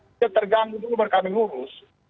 itu terganggu dulu baru kami ngurus